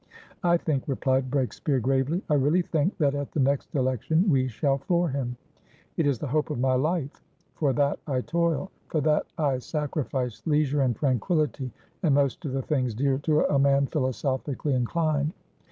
"I think," replied Breakspeare, gravely, "I really think, that at the next election we shall floor him. It is the hope of my life. For that I toil; for that I sacrifice leisure and tranquillity and most of the things dear to a man philosophically inclined.